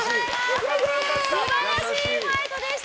素晴らしいファイトでした。